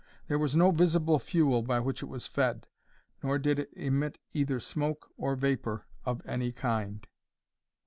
There was no visible fuel by which it was fed, nor did it emit either smoke or vapour of any kind.